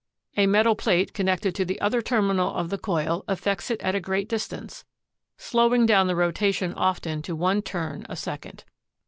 A metal plate connected to the other terminal of the coil affects it at a great distance, slowing down the rotation often to one turn a second.